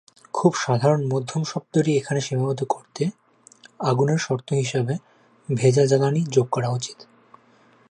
খুব সাধারণ মধ্যম শব্দটি এখানে সীমাবদ্ধ করতে, আগুনের শর্ত হিসাবে 'ভেজা জ্বালানী' যোগ করা উচিত।